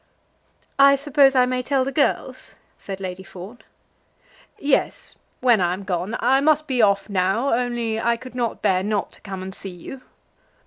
"I suppose I may tell the girls?" said Lady Fawn. "Yes; when I am gone. I must be off now, only I could not bear not to come and see you."